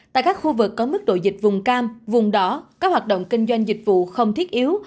tại các khu vực có mức độ dịch vùng cao vùng đỏ các hoạt động kinh doanh dịch vụ không thiết yếu